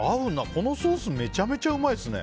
このソースめちゃめちゃうまいですね。